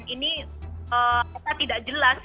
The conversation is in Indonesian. ini tidak jelas